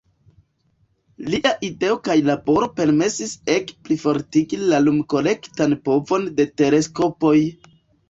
Lia ideo kaj laboro permesis ege plifortigi la lum-kolektan povon de teleskopoj.